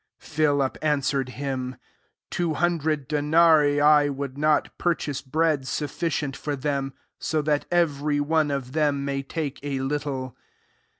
7 Philip answered him, ^^ Two hundred denarii would not pur chase bread sufficient for them, so that every one of them may take a little."